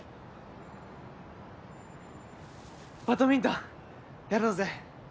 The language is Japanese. バドミントンやろうぜ。